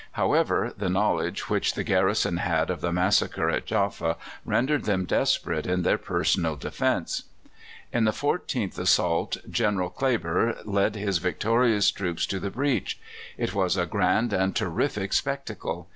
However, the knowledge which the garrison had of the massacre at Jaffa rendered them desperate in their personal defence. In the fourteenth assault General Kleber led his victorious troops to the breach. It was a grand and terrific spectacle.